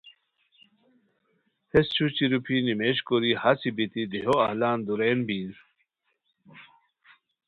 ہیس چھوچی روپھی نیمیژ کوری ہاسی بیتی دیہو اہلان دُورین بیر